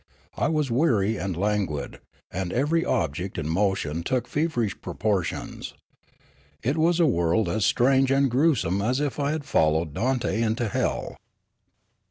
I was weary and languid, and ever}' object and motion took feverish proportions. It was a world as strange and gruesome as if I had followed Dante into hell.